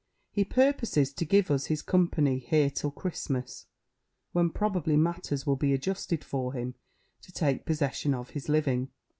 He purposes to give us his company here till Christmas, when probably matters will be adjusted for him to take possession of his living.